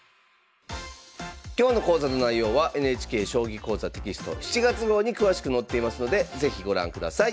今日の講座の内容はＮＨＫ「将棋講座」テキスト７月号に詳しく載っていますので是非ご覧ください。